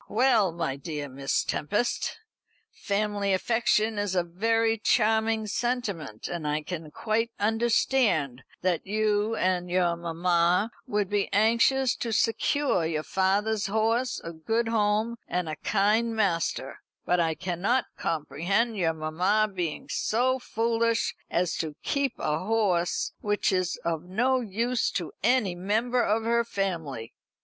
"Well, my dear Miss Tempest, family affection is a very charming sentiment, and I can quite understand that you and your mamma would be anxious to secure your father's horse a good home and a kind master; but I cannot comprehend your mamma being so foolish as to keep a horse which is of no use to any member of her family.